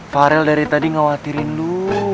varel dari tadi ngawetinin lu